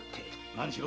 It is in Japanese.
何しろ